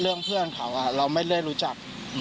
เรื่องเพื่อนเขาเราไม่เรียกรู้จัก